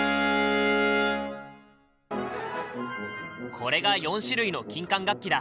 これが４種類の金管楽器だ！